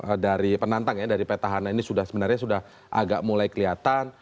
pendukung dari penantang ya dari peta hana ini sebenarnya sudah agak mulai kelihatan